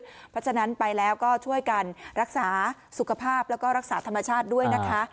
เพราะฉะนั้นไปแล้วก็ช่วยกันรักษาสุขภาพแล้วก็รักษาธรรมชาติด้วยนะคะ